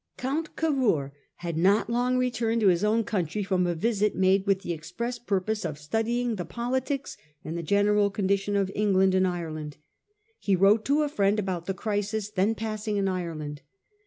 Count Cavour had not long returned to his own country from a visit made with the express purpose of studying the politics and the general condition of England and Ireland. He wrote to a friend about the crisis then passing in Ireland.